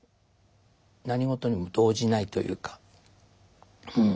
何事にも動じないというかうん。